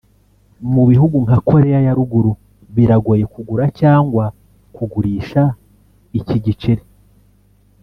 Mu bihugu nka Koreya ya ruguru biragoye kugura cyangwa kugurisha iki giceri